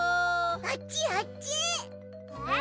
あっちあっち！